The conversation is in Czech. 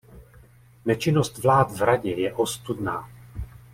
Nečinnost vlád v Radě je ostudná.